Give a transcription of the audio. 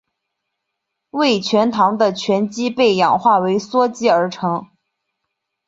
为醛糖的醛基被氧化为羧基而成。